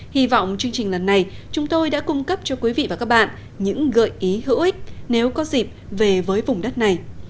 hy vọng chương trình lần này chúng tôi đã cung cấp cho quý vị và các bạn những gợi ý hữu ích nếu có dịp về với vùng đất này